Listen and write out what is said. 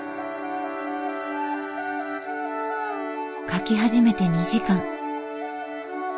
描き始めて２時間。